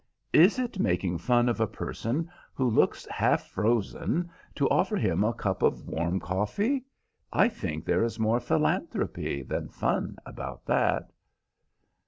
Is it making fun of a person who looks half frozen to offer him a cup of warm coffee? I think there is more philanthropy than fun about that."